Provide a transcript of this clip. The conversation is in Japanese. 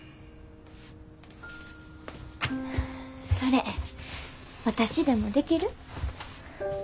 それ私でもできる？